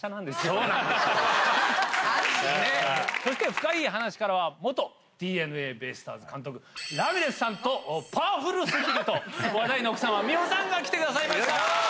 そして『深イイ話』からは元ＤｅＮＡベイスターズ監督ラミレスさんとパワフル過ぎると話題の奥様美保さんが来てくださいました。